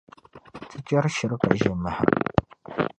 Ti chɛri shiri ka ʒe maha.